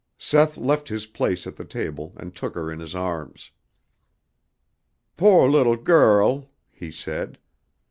Seth left his place at the table and took her in his arms. "Po' little gurl," he said.